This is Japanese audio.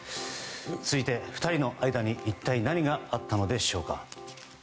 続いて２人の間に一体何があったのでしょうか。